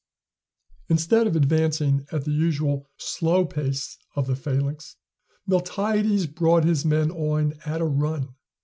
Instead of advancing at the usual slow pace of the phalanx, Miltiades brought his men on at a run.